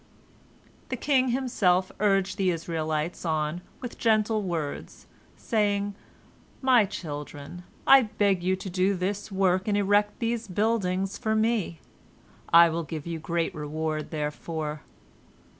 The king himself urged the Israelites on with gentle words, saying, "My children, I beg you to do this work and erect these little buildings for me. I will give you great reward therefor."